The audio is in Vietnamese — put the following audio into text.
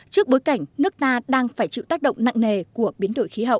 trước bối cảnh nước ta đang phải chịu tác động nặng nề của biến đổi khí hậu